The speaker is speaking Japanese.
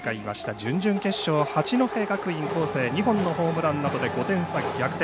準々決勝、八戸学院光星２本のホームランなどで５点差逆転。